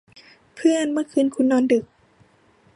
เพื่อน เมื่อคืนคุณนอนดึก